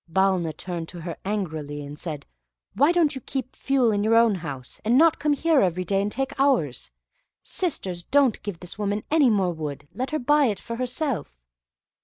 Balna turned to her, angrily, and said, "Why don't you keep fuel in your own house, and not come here every day and take ours? Sisters, don't give this woman any more wood; let her buy it for herself."